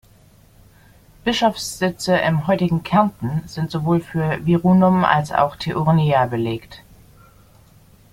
Bischofssitze im heutigen Kärnten sind sowohl für Virunum als auch Teurnia belegt.